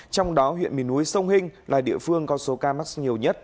trong đó huyện miền núi sông hinh là địa phương có số ca mắc nhiều nhất